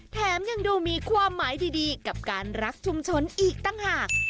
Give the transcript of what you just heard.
แถมยังดูมีความหมายดีกับการรักชุมชนอีกต่างหาก